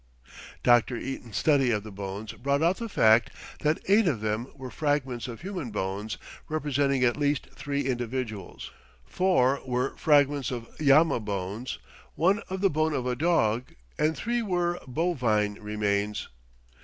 Dr. Eaton's study of the bones brought out the fact that eight of them were fragments of human bones representing at least three individuals, four were fragments of llama bones, one of the bone of a dog, and three were "bovine remains."